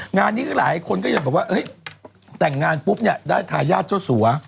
งานนี้หลายคนก็บอกว่าแต่งงานปุ๊บได้ทายาทเจ้าสัว